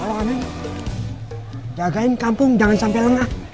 kalau kami jagain kampung jangan sampai lengah